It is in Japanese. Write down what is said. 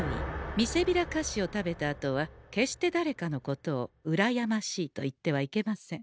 みせびら菓子を食べたあとは決してだれかのことを「うらやましい」と言ってはいけません。